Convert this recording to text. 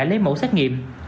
lấy mẫu xét nghiệm